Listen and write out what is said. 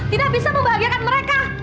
tidak bisa membahagiakan mereka